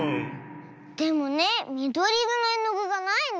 でもねみどりいろのえのぐがないの。